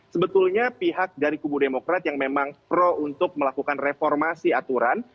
sebetulnya pihak dari kubu demokrat yang memang pro untuk melakukan reformasi aturan